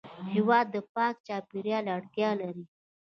هېواد د پاک چاپېریال اړتیا لري.